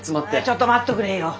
ちょっと待っとくれよ。